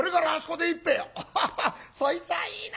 「ハハハそいつはいいなあ」。